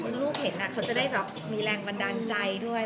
เพราะลูกเห็นเขาจะได้มีแรงบันดาลใจด้วย